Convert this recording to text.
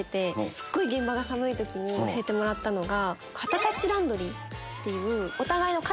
すっごい現場が寒い時に教えてもらったのが。